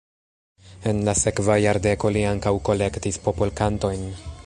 En la sekva jardeko li ankaŭ kolektis popolkantojn.